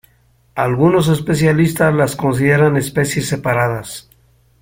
Algunos especialistas las consideran especies separadas.